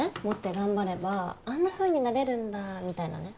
持って頑張ればあんなふうになれるんだみたいな